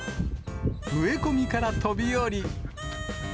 植え込みから飛び降り。